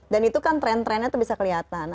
dan itu kan trend trendnya tuh bisa kelihatan